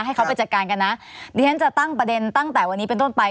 ให้เขาไปจัดการกันนะดิฉันจะตั้งประเด็นตั้งแต่วันนี้เป็นต้นไป